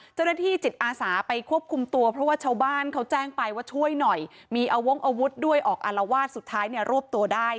เจ้าหน้าที่จิตอาสาไปควบคุมตัวเพราะว่าชาวบ้านเขาแจ้งไปว่าช่วยหน่อยมีอาวงอาวุธด้วยออกอารวาสสุดท้ายเนี่ยรวบตัวได้